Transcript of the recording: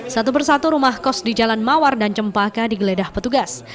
satu persatu rumah kos di jalan mawar dan cempaka digeledah petugas